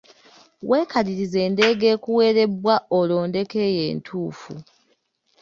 Weekalirize endeega ekuweerebbwa olondeko eyo entuufu.